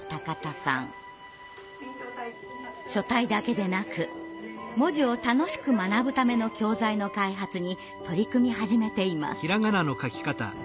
書体だけでなく文字を楽しく学ぶための教材の開発に取り組み始めています。